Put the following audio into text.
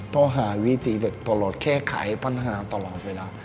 ต้องหาวิธีแค่ไขปัญหาตลอดเวลา